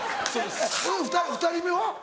⁉２人目は？